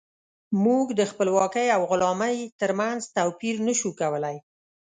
موږ د خپلواکۍ او غلامۍ ترمنځ توپير نشو کولی.